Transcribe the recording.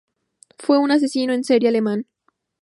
Fue un asesino en serie alemán.